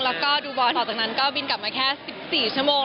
แล้วก็ดูบอยต่อจากนั้นก็บินกลับมาแค่๑๔ชั่วโมง